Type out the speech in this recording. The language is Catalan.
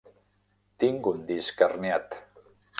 Tinc un disc herniat.